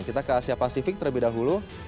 kita ke asia pasifik terlebih dahulu